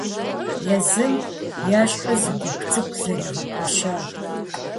Езым ещхьу зы гуп цӀыкӀу зэригъэпэщат.